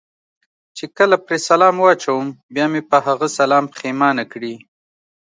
چې کله پرې سلام واچوم، بیا مې په هغه سلام پښېمانه کړي.